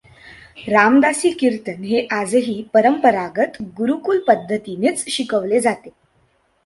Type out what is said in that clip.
रामदासी कीर्तन हे आजही परंपरागत गुरुकुल पद्धतीनेच शिकविले जाते.